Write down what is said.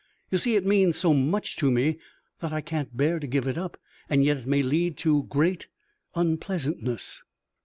You see, it means so much to me that I can't bear to give it up, and yet it may lead to great unpleasantness."